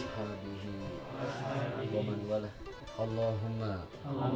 saya juga tidak pernah berhasil